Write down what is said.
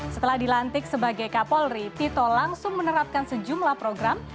setelah dilantik sebagai kapolri tito langsung menerapkan sejumlah program